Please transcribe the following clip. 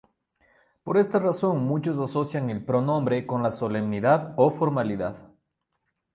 Por esta razón, muchos asocian el pronombre con solemnidad o formalidad.